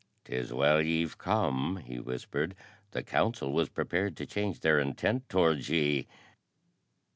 "'Tis well ye've come," he whispered. "The council was prepared to change their intent towards ye."